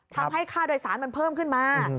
ทำให้ค่าโดยสารมันเพิ่มขึ้นมา